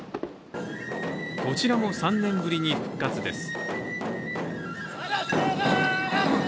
こちらも３年ぶりに復活です。